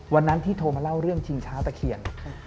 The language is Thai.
วันนั้นที่โทรมาเล่าเรื่องชิงช้าตะเคียน